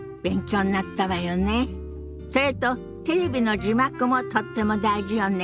それとテレビの字幕もとっても大事よね。